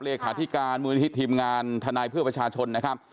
เลขาธิการมูลนิธิทีมงานทนายเพื่อประชาชนนะครับ